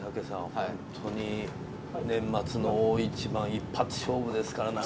年末の大一番、一発勝負ですからね。